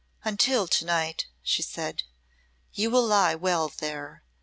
"Until to night," she said, "you will lie well there.